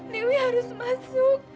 dewi harus masuk